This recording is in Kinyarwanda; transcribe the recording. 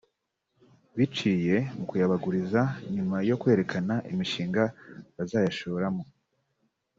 biciye mu kuyabaguriza nyuma yo kwerekana imishinga bazayashoramo